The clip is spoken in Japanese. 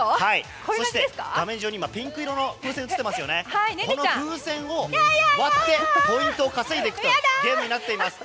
そして、画面上に今ピンク色の風船が映ってますがこの風船を割ってポイントを稼いでいくというゲームになっています。